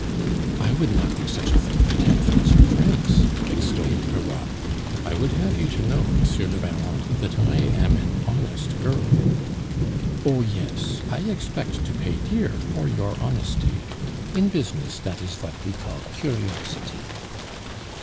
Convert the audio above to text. "I would not do such a thing for ten thousand francs!" exclaimed Europe. "I would have you to know, Monsieur le Baron, that I am an honest girl." "Oh yes. I expect to pay dear for your honesty. In business dat is vat ve call curiosity."